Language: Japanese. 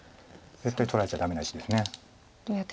絶対取られちゃダメな石です。